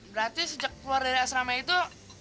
berarti sejak keluar dari asrama itu